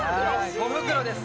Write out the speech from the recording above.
５袋です。